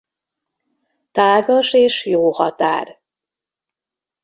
Tágas és jó határ.